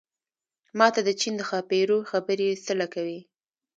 ما ته د چين د ښاپېرو خبرې څه له کوې